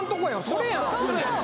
それやん